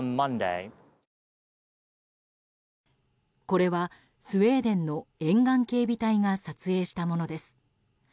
これは、スウェーデンの沿岸警備隊が撮影したものです。